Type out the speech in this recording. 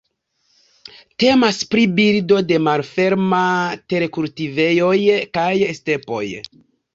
Temas pri birdo de malferma terkultivejoj kaj stepoj.